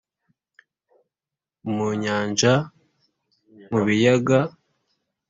mu nyanja, mu biyaga,